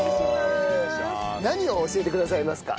何を教えてくださいますか？